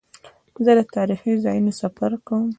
زه د تاریخي ځایونو سفر کوم.